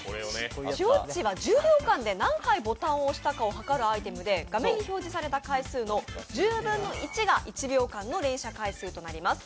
シュウォッチは１０秒間で何回ボタンを押したか測る機械で画面に表示された回数の１０分の１が１秒間の連射回数となります。